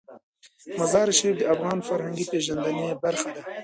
مزارشریف د افغانانو د فرهنګي پیژندنې برخه ده.